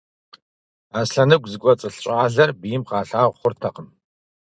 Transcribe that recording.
Аслъэныгу зыкӀуэцӀылъ щӀалэр бийм къалъагъу хъуртэкъым.